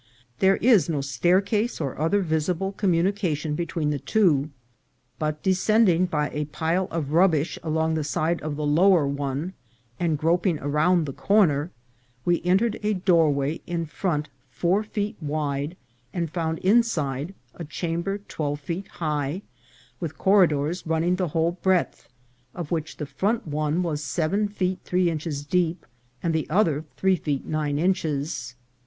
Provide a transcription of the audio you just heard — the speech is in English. There is no staircase or other visible com munication between the two ; but, descending by a pile of rubbish along the side of the lower one, and groping around the corner, we entered a doorway in front four AN INDIAN LEGEND. 423 feet wide, and found inside a chamber twelve feet high, with corridors running the whole breadth, of which the front one was seven feet three inches deep, and the other three feet nine inches.